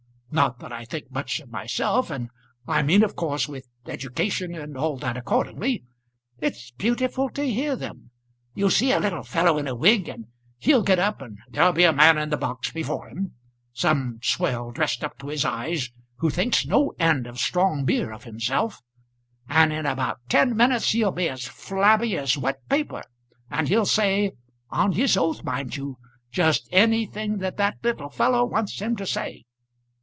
Not that I think much of myself, and I mean of course with education and all that accordingly. It's beautiful to hear them. You'll see a little fellow in a wig, and he'll get up; and there'll be a man in the box before him, some swell dressed up to his eyes, who thinks no end of strong beer of himself; and in about ten minutes he'll be as flabby as wet paper, and he'll say on his oath, mind you, just anything that that little fellow wants him to say.